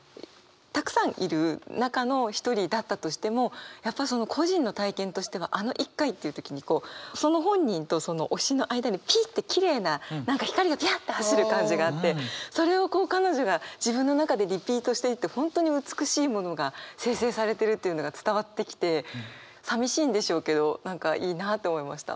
たくさんいる中の一人だったとしてもやっぱ個人の体験としてはあの１回っていう時にその本人と推しの間にピッてきれいな何か光がびゃって走る感じがあってそれをこう彼女が自分の中でリピートしていて本当に美しいものが生成されてるっていうのが伝わってきてさみしいんでしょうけど何かいいなあと思いました。